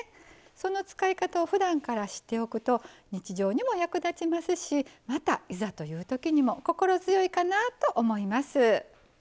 その使い方をふだんから知っておくと日常にも役立ちますしまたいざというときにも心強いかなと思います。